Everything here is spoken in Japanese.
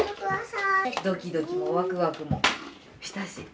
ドキドキもワクワクもしたし。